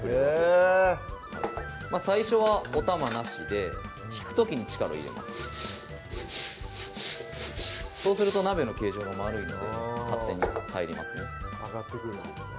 へぇ最初はおたまなしで引く時に力を入れますそうすると鍋の形状が丸いので勝手に返りますね上がってくるんですね